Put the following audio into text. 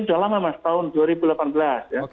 sudah lama mas tahun dua ribu delapan belas ya